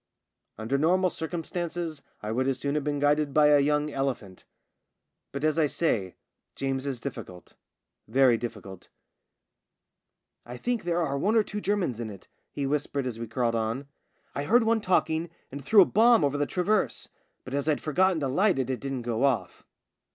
Under normal circumstances I would as soon have been guided by a young elephant ; but, as I say, James is difficult — very difficult. " I think there are one or two Germans in it," he whispered as we crawled on. "I heard one talking and threw a bomb over the traverse, but as I'd forgotten to light it it didn't go off."